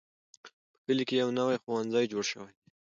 په کلي کې یو نوی ښوونځی جوړ شوی دی.